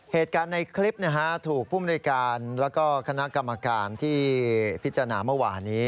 เหตุการณ์ในคลิปถูกภูมิในการแล้วก็คณะกรรมการที่พิจารณาเมื่อวานี้